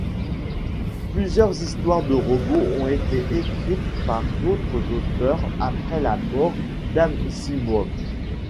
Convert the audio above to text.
Plusieurs histoires de robots ont été écrites par d’autres auteurs après la mort d’Asimov.